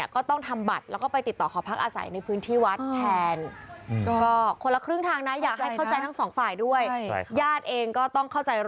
ก็ต้องเข้าใจโรงพยาบาลโรงพยาบาลเองก็ต้องเข้าใจ